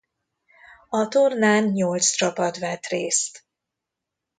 A tornán nyolc csapat vett részt.